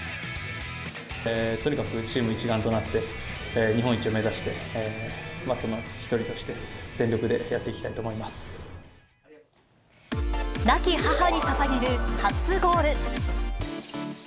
とにかくチーム一丸となって、日本一を目指して、その１人として全力でやっていきたいと思いま亡き母にささげる初ゴール。